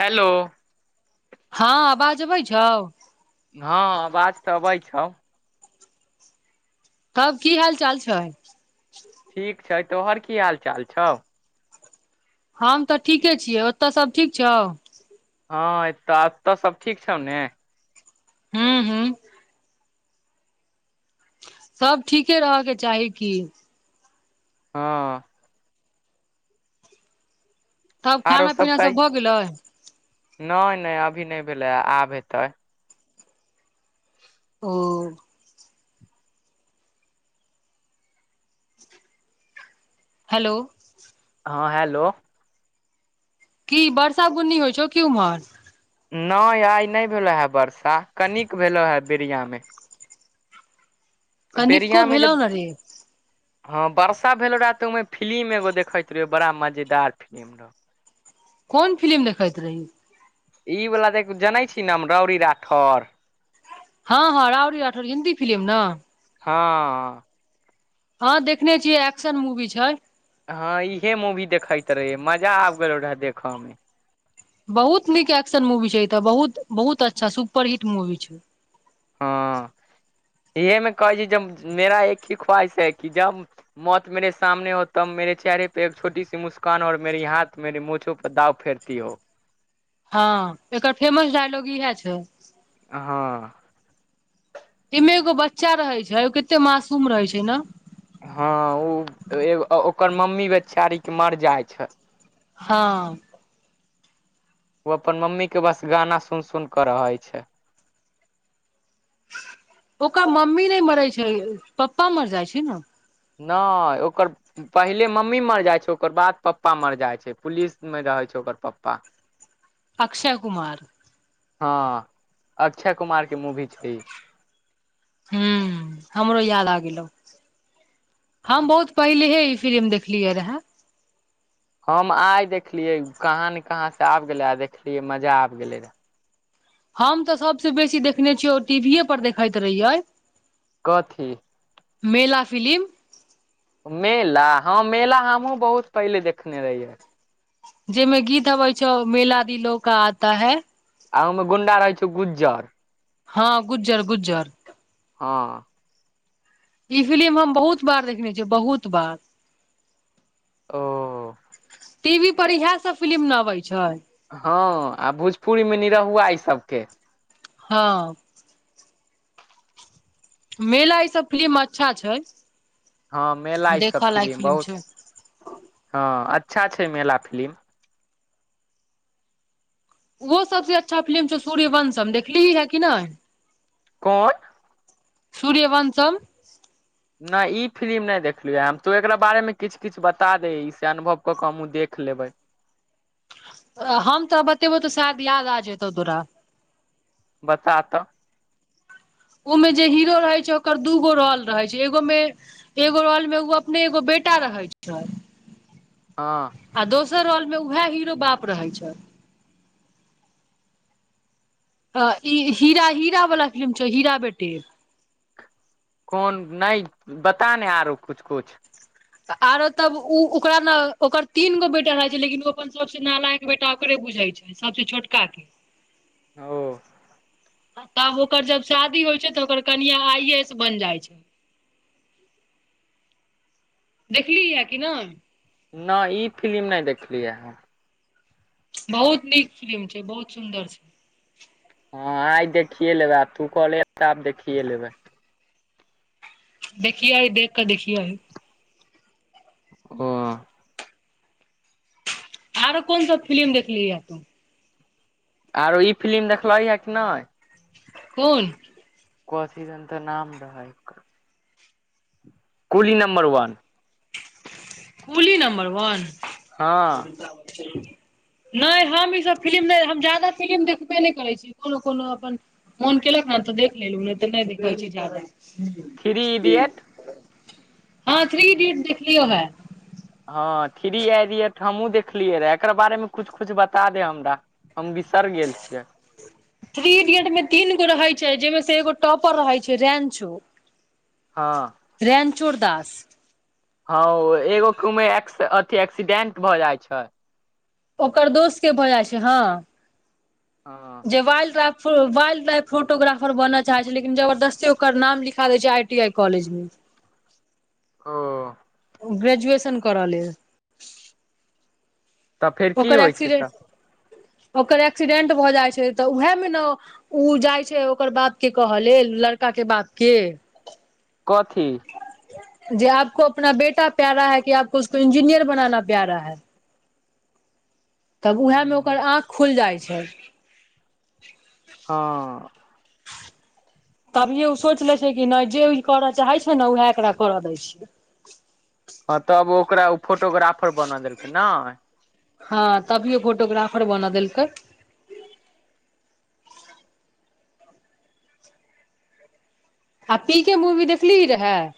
Hello. हँ आवाज अबैय छौ। हँ आवाज त अबैय छौ। तब की हाल चाल छैय। ठीक छैय तोहर की हाल चाल छौ। हम त ठीके छियै ओतऽ सभ ठीक छौ। हँ एतऽ एतऽ सब ठीक छौ ने। हूँ हूँ। सब ठीके रहऽके चाही की। हँ। तब आरो खाना सब पीना कही, भऽ गेलै नै नै अभी नै भेलै, आब हेतै। [unintelligible] ओ। हेलो। हँ हेलो। की बरसा गुन्नी होइ छौ की उमहर। नहि आइ नहि भेलो हे वर्षा, कनिक भेलो हे बिरियामे। कनिको बेरियामे भेलौ जब ने रे हँ वर्षा भेलो रहै तऽ ओहिमे फिलिम एगो देखैत रहियौ, बड़ा मजेदार फिलिम रहौ। कोन फिलिम देखैत रही। ई वला तऽ जानै छी ने राउड़ी राठौर हँ हँ राउड़ राठौड़ हिन्दी फिलिम ने। हँ। हँ देखने छियै एक्शन मूवी छै। हँ इहे मूवी देखैत रहियै मजा आबि गेल रहै देखऽमे। बहुत नीक एक्शन मूवी छै ए तऽ, बहुत बहुत अच्छा सुपरहिट मूवी छै। [unintelligible] इहे में कहै छी जब मेरा एक ही ख्वाहिश है कि जब मौत मेेरे सामने हो तो मेेर चेहरे पे एक छोटी सी मुस्कानऔर मेेरी हाथ मेरे मोछो पर दाव फेरती हो। हँ, एकर फेमस डायलॉग इएह छै। हँ। एऐ मे एगो बच्चा रहै छै ओ कते मासूम रहै छै ने। हँ, ओ ओकर मम्मी बेचारी के मर जाइ छै। हँ। ओ अपन मम्मी के बस गाना सुन सुन के रहे छै। ओकर मम्मी नहि मरै छै पप्पा मर जाइ छै ने। नहि ओकर पहिले मम्मी मर जाइ छै ओकर बाद पप्पा मर जाइ छै, पुलिसमे रहै छै ओकर पप्पा। अक्षय कुमार। हँ, अक्षय कुमार के मूवी छै ई। ह हमरो याद आ गेलौ। हम बहुत पहिलेहे ई फिलि्म देखलियै रहे। हम आइ देखलियै, कहाँ ने कहाँसे आबि गेलै आ देखलियै मजा आबि गेलै रहै। हम तऽ सबसे बेसी देखने छियै आ टीवीए पर देखैत रहियै। कथी। मेला फिलिम। मेला हँ मेला हमहुँ बहुत पहिले देखने रहियै। जहिमे गीत अबै छै, मेला दिलो का आता है। आ ओहिमे गुंडा रहै छौ गुज्जर। हँ गुजर गुज्जर। हँ। इ फिलिम हम बहुत बार देखने छियै, बहुत बार। ओ। टीवी पर इएह सब फिलिम न अबैय छैय। हँ आ भोजपुरीमे निरहुआ इ सभके। हँ। मेला इ सब फिलिम अच्छा छैय। हँ मेला इ सब फिलिम फिल्म बहुत, छै हँ अच्छा छैय मेला फिलिम। उहो सबसे अच्छा फिलिम छौ सूर्यवंशम देखलीही है कि नहि। कोन। सूर्यवंशम। न इ फिलिम नहि देखलिये ह हम तो एकरा बारे मे किछ- किछ बता दे इ से अनुभव क के हमु देख लेबैय। हम त बतेबौ त शायद याद आ जेतौ तोरा। बता तऽ। ओमे जे हीरो रहय छैय ओकर दूगो रौल रहय छैय एगो मे, एगो रौल मे ओ अपने एगो बेटा रहै छैय। हँ। आ दोसर रौलमे उएह हीरो बाप रहै छैय। त इ हीरा, हीरा वला फिल्म छौ हीरा बेटी। कोन नय बता ने आरो कुछ- कुछ। आरो तब उ ओकरामे ओकर तीन गो बेटा रहै छैय, लेकिन उ अपन सबसँ नालायक बेटा ओकरे बुझैय छैय। सबसे छोटका के। ओ। आ तब ओकर जब शादी होइ छैय त ओकर कनिया आइ-ए- एस बन जाइ छैय। देखली है कि नय। न इ फिलिम नै देखलियै हम। बहुत नीक फिलिम छैय। बहुत सुन्दर छैय। हँ आइ देखिये लेबै आब तू कहले त आब देखिये लेबै। देखियही देख क देखियही। हँ। आरो कोन सब फिलिम देखलीहै। आरो ई फिलिम देखलहीयै कि नय। कोन। कथी दन त नाम रहय ओकर। Coolie number one. Coolie number one. हँ नय हम इ सब फिलिम नय हम जादा फिलिम देखबे नय करै छी, कोनो- कोनो अपन मोन केलक न त देख लेलु नय त नय देखै छी जादा। थ्री इडियट हँ थ्री इडियट देखलियौ है। हँ थ्री इडियट हमहुँ देखलियै रहै एकरा बारेमे कुछ -कुछ बता दे हमरा। हम बिसर गेल छियै। थ्री इडियट में तीन गो रहै छैय जेमे स एगो टॉपर रहै छैय रेंचो। हँ। रैनचोड़ दास। हँ ओ एगो कु मे अथि एक्सीडेंट भऽ जाय छै। ओकर दोस्त के भऽ जाइ छै हँ हँ जे वाइल्ड लाइफ फोटोग्राफर बनऽ चाहै छै लेकिन जबरदस्ती ओकर नाम लिखा दै छै आई टी आई कॉलेज मे। ओ। ग्रेजुएशन करऽ लेल। तऽ फेर की ओकर होइ छै एक्सीडेंट, तऽ ओकर एक्सीडेंट भऽ जाइ छै तऽ उहेए मे न उ जाइ छै ओकर बाप के कहऽ लेल लड़का के बाप के। कथी? जे आपको अपना बेटा प्यारा है कि आपको उसको इंजीनियर बनाना प्यारा है। तब उहेए मे ओकर आँख खुलि जाइ छै। हँ। तभिये ओ सोचि लै छै कि नै जे ई करऽ चाहै छै न उहेए एकरा करऽ दै छियै। हँ तब ओकरा ओ फोटोग्राफर बनऽ देलकै नइ? हँ तभी ओ फोटोग्राफर बनऽ देलकै। आ पी के मूवी देखलीही रहेए।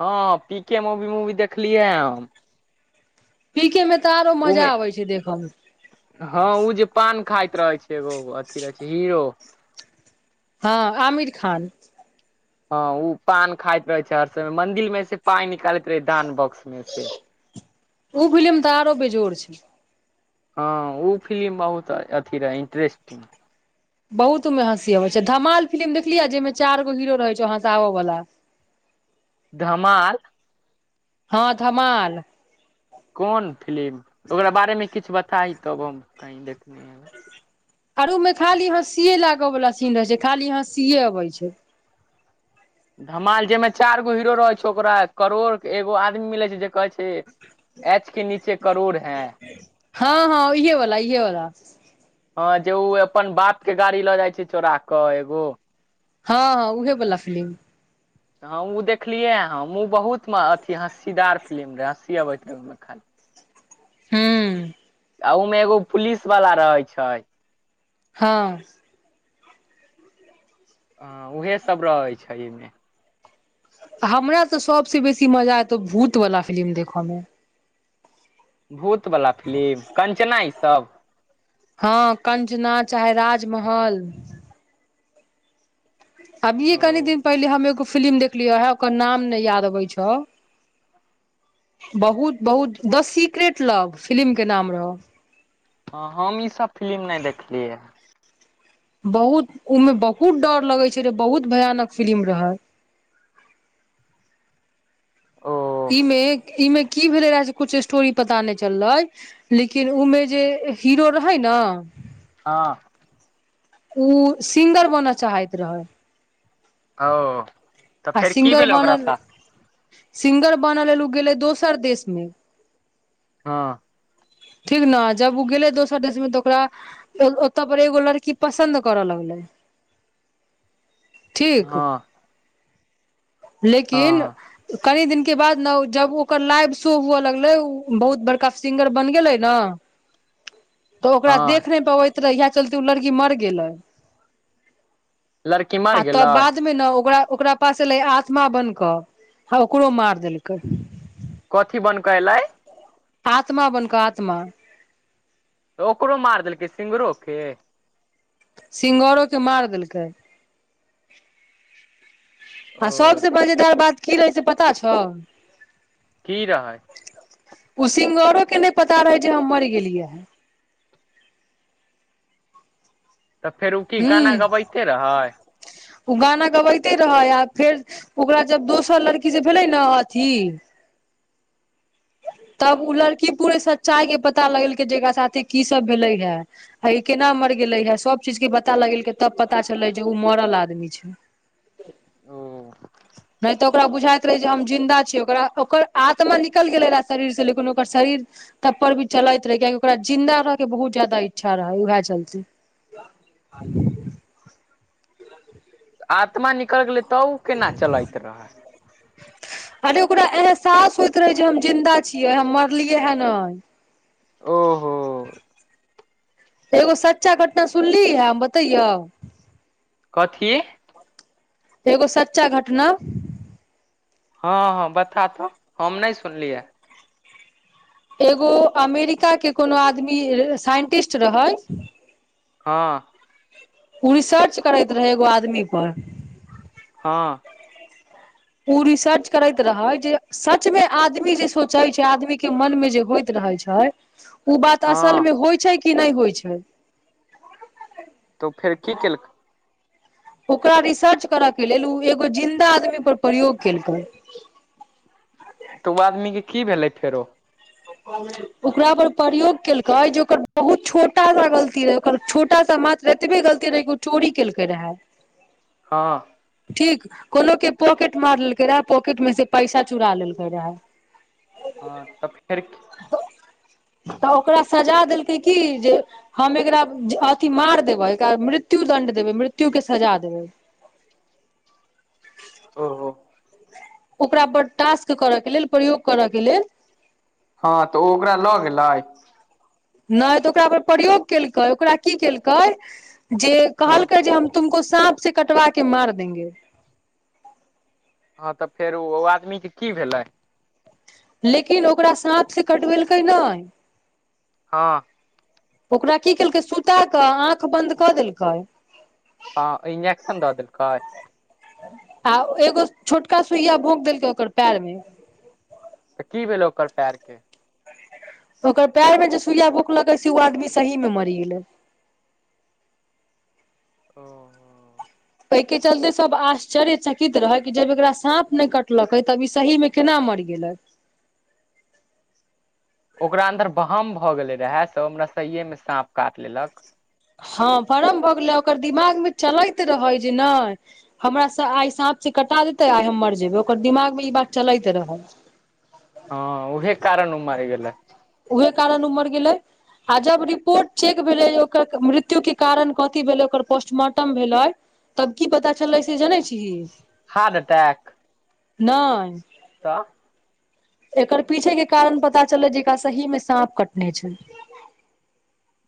हँ पी के मुवी- मुवी देखलीयै हम। पी के में त आरो ओमे मजा अबै छै देखऽ मे। हँ उ जे पान खाइत रहै छै एगो अथी रहै छै हीरो। हँ आमिर खान। हँ उ पान खाइत रहै छै हर समय मंदिर मे से पाय निकालैत रहै दान बॉक्स मे से। ओ फिलिम तऽ आरो बेजोड़ छै। हँ उ फिलिम बहुत अथी रहै इन्टरेस्टिंग। बहुत उ मे हँसी अबै छै धमाल फिलिम देखलियै जइमे चारि गो हीरो रहै छै हँसाबऽ बला। धमाल। हँ धमाल। कोन फिलिम ओकरा बारे मे किछ बताईं तब हम कहीं देखने ह आर उ मे खाली हॅंसिये लागऽ बला सीन रहै छै खाली हॅंसिये अबय छै। धमाल जइमे चार गो हीरो रहै छै ओकरा करोड़ एगो आदमी मिलै छै जे कहै छै एच के नीचे करोड़ हैं। हँ हँ इहे वला इहे वला हँ जे ओ अपन बाप के गाड़ी लऽ जाइ छै चोरा कऽ एगो। हँ उहे बला फिलिम। हम उ देखलियै हम उ बहुत अथी हँस्सीदार फिलिम रहय हँस्सी अबैत मे खाल [inaudible] हूॅं। आ उ मे एगो पुलिस बला रहय छइ। हँ। हॅं उहे सब रहै छै अइ मे। हमरा तऽ सबसे बेसी मजा एतौ भूत वाला फिलिम देखऽ मे। भूत बला फिलिम कंचना ई सभ। हँ कंचना चाहे राजमहल। अभिये कनि ओ दिन पहिले हम एगो फिलिम देखलियै हें, ओकर नाम नै याद अबै छौ। बहुत - बहुत द सीक्रेट लव फिलिम के नाम रहौ। हँ हम ई सब फिलिम नै देखलियै ह। बहुत उ में बहुत डर लगै छै रे बहुत भयानक फिल्म रहय। ओ इ मे इ में की भेलै रहे से कुछ स्टोरी पता नै चललइ। लेकिन उमे जे हीरो रहैय न हँ। उ सिंगर बनऽ चाहैत रहै। ओ। तऽ आ फेर की सिंगर भेलै ओकरा बनल साथ सिंगर बनऽ लेल गेलै उ दोसर देशमे। हँ। ठीक न जब उ गेलय दोसर देशमे त ओकरा ओतऽ पर एगो लड़की पसन्द करऽ लगलै। ठीक, हँ लेकिन हँ कनि दिनके बाद ने जब ओकर लाइव शो हुअ लगलय ओ बहुत बड़का सिंगर बन गेलेए न तो ओकरा हँ देख नहि पबई यएह चलते ओ लड़की मर गेलै, लड़की मर आ तब गेलै बाद मे न ओकरा, ओकरा पास एलै आत्मा बन कऽ आ ओकरो मार देलकै। कथी बन कऽ अलई। आत्मा बनकऽ आत्मा। त ओकरो मार देलकै सिंगरोेके। सिंगऽरो के मार देलकै। आ ओ सबसे मजेदार बात की रहै से पता छौ। की रहय। ओ सिंगरो के नय पता रहय जे हम मरि गेलियै है। त फेर ओ की गाना हूँ गबैते रहै। ओ गाना गबैते रहय आ फेर ओकरा जब दोसर लड़की जे भेलै ने अथी तब उ लड़की पूरे सच्चाइके पता लगेलकै जे एकरा साथे की सब भेलय है। आ इ केना मर गेलय है सब चीजके पता लगेलकै तब पता चललै जे ओ मरल आदमी छैय। ओ नहि त ओकरा बुझाइत रहय जे हम जिन्दा छियै ओकरा ओकर आत्मा निकल गेलै रहा शरीर से लेकिन ओकर शरीर तब पर भी चलैत रहै कियाकि ओकरा जिन्दा रहैके बहुत जादा इच्छा रहै उएह चलते। [inaudible] आत्मा निकल गेलै त उ केना चलैत रहै। अरे ओकरा एहसास होइत रहय जे हम जिन्दा छियै हम मरलियै है नय ओहो। एगो सच्चा घटना सुनली है हम बतैयौ। कथी? एगो सच्चा घटना। हँ- हँ बता त हम नहि सुनलियै। एगो अमेरिकाके कोनो आदमी साइंटिस्ट रहै। हँ। उ रिसर्च करैत रहै एगो आदमी पर हँ। उ रिसर्च करैत रहय जे सचमे आदमी जे सोचय छैय आदमीके मन मे जे होइत रहय छैय ह उ बात हँ असलमे होइ छैय कि नय होइ छैय। त फेर की केलकै। ओकरा रिसर्च करऽ के लेल ओ एगो जिन्दा आदमी पर प्रयोग केलकै। त ओ आदमी के की भेलै फेरो। [inaudible] ओकरा पर प्रयोग केलकै जे ओकर बहुत छोटा सा गलती रहै ओकर छोटा सा मात एतबे गलती रहै कि ओ चोरी केलकै रहै। हँ। ठीक, कोनो के पॉकेट मार लेलकै रहे, पॉकेट में से पैसा चुरा लेलकै रहे हँ तऽ फेर तऽ ओकरा सजा देलकै की जे हम एकरा अथि मार देबै मृत्यु दंड देबै, मृत्यु के सजा देबै। ओहो। ओकरा पर टास्क करऽके लेल, प्रयोग करय के लेल हँ तऽ ओ ओकरा लऽ गेलै। नै तऽ ओकरा पर प्रयोग केलकै ओकरा की केलकै जे हँ कहलकै जे हम तुमको साँप से कटवा के मार द देंगे। हँ तऽ फेर ओ आदमी के की भेलै? लेकिन ओकरा साँप से कटबेलकै नहि हँ। ओकरा की केलकै सुता कऽ आँख बन्द कऽ देलकै आ इंजेक्शन दऽ देलकै? आ एगो छोटका सुइया भोक देलकै ओकर पैर मे तऽ की भेलै ओकर पैर के? ओकर पैर में जे सुइया भोकलकै से ओ आदमी सही में मरि गेलै। ओ। एहिके चलते सब आश्चर्य चकित रहै कि जब एकरा साँप नहि कटलकै तब ई सही मे केना मरि गेलै। ओकरा अन्दर बहम भऽ गेले रहै जे ओ सहिये मे साँप काटि लेलक। हँ भरम भऽ गेलै, आ कर दिमाग मे चलैत रहै जे नहि हमरा आइ साँप से कटा देतै आइ हम मर जेबै, ओकर दिमाग मे ई बात चलैत रहै। हँ ओहे कारण ओ मरि गेलै। उहे कारण उ मर गेलै। आ जब रिपोर्ट चेक भेलै ओकर मृत्यु के कारण कथि भेलै ओकर पोस्टमार्टम भेलै तब की पता चललै से जानै छीही। हार्ट अटैक नै। तऽ। एकर पीछे के कारण पता चल लै जे एकरा सही मे साँप कटने छै।